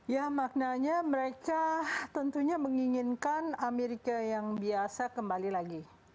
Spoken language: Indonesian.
ya maknanya mereka tentunya menginginkan amerika yang biasa kembali lagi